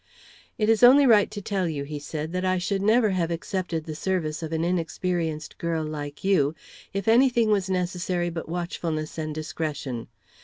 "It is only right to tell you," he said, "that I should never have accepted the service of an inexperienced girl like you, if any thing was necessary but watchfulness and discretion.